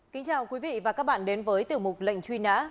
kính chào quý vị và các bạn đến với tiểu mục lệnh truy nã